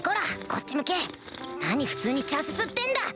こっち向け何普通に茶すすってんだ！